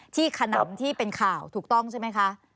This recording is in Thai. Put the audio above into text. ขนำที่เป็นข่าวถูกต้องใช่ไหมคะ